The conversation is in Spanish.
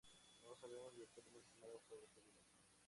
No sabemos virtualmente nada sobre su vida.